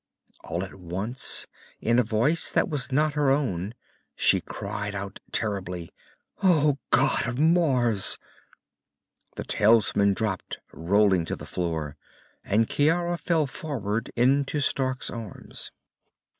All at once, in a voice that was not her own, she cried out terribly, "Oh gods of Mars!" The talisman dropped rolling to the floor, and Ciara fell forward into Stark's arms.